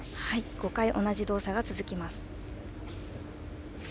５回同じ動作が続きます。